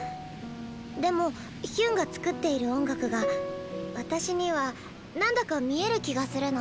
でもヒュンが作っている音楽が私には何だか見える気がするの。